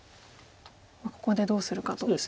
ここでどうするかと。